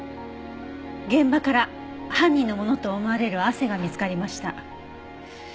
現場から犯人のものと思われる汗が見つかりました。